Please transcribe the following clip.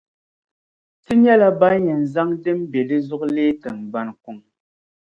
Ti nyɛla ban yɛn zaŋ din be di zuɣu leei tiŋgbani kuŋ.